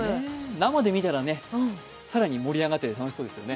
生で見たらね、更に盛り上がって楽しそうですよね。